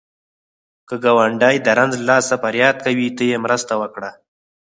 که ګاونډی د رنځ له لاسه فریاد کوي، ته یې مرسته وکړه